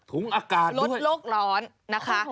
ถุงอากาศด้วยลดโลกร้อนนะคะ